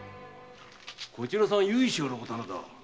こちらさんは由緒あるお店だ。